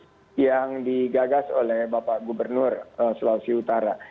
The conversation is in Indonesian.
ini yang digagas oleh bapak gubernur sulawesi utara